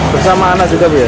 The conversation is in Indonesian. bersama anak juga ibu ya